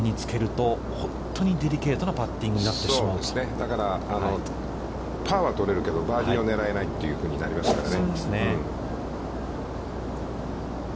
だから、パーは取れるけどバーディーを狙えないとなりますからね。